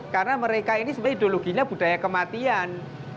karena mereka ini sebenarnya ideologinya budaya kematian